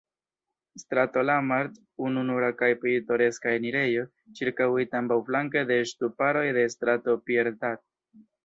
Strato Lamarck, ununura kaj pitoreska enirejo, ĉirkaŭita ambaŭflanke de ŝtuparoj de Strato Pierre-Dac.